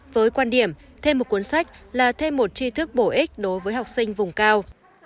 với quan điểm thêm một cuốn sách là thêm một tri thức bổ ích đối với học sinh vùng cao